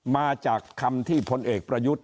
มาจากคำที่พลเอกประยุทธ์